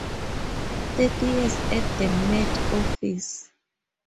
Thirty years at the Met Office.